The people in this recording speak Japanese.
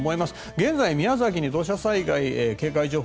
現在、宮崎に土砂災害警戒情報